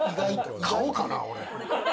買おうかな、俺。